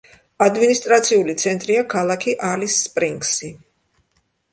ადმინისტრაციული ცენტრია ქალაქი ალის-სპრინგსი.